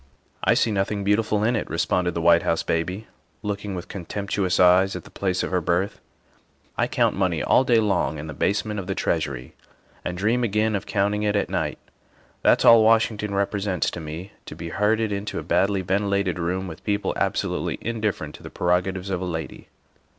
" I see nothing beautiful in it, '' responded the White House Baby, looking with contemptuous eyes at the place of her birth. '' I count money all day long in the basement of the Treasury and dream again of counting it at night. That's all Washington represents to me to be herded into a badly ventilated room with people absolutely indifferent to the prerogatives of a lady.